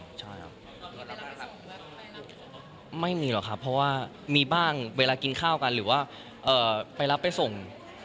มีเวลาไปส่งเพื่อไปรับไปส่งไม่มีหรอกครับเพราะว่ามีบ้างเวลากินข้าวกันหรือว่าไปรับไปส่ง